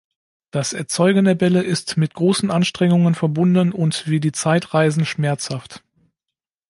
Das Erzeugen der Bälle ist mit großen Anstrengungen verbunden und wie die Zeitreisen schmerzhaft.